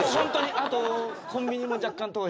あとコンビニも若干遠い。